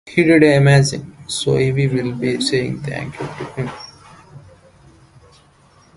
He did amazing, so we'll be saying thank you to him.